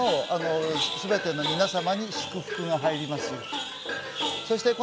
すべての皆様に祝福が入ります。